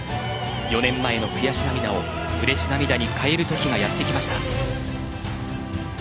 ４年前の悔し涙をうれし涙に変えるときがやってきました。